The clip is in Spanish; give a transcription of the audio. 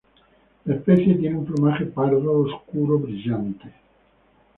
La especie tiene un plumaje pardo oscuro brillante.